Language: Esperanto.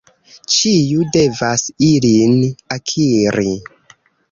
Ĉiu devas ilin akiri.